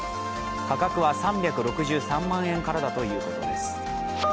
価格は３６３万円からだということです。